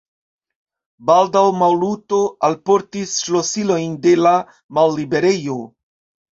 Baldaŭ Maluto alportis ŝlosilojn de la malliberejo.